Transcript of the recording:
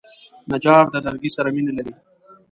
نجار د لرګي سره مینه لري.